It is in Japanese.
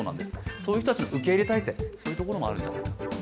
そういう人たちの受け入れ体制、そういうところもあると。